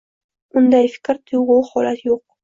Unday fikr, tuyg‘u, holat yo‘q!